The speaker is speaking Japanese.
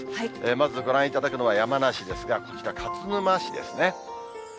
まずご覧いただくのは山梨ですが、こちら、勝沼市ですね。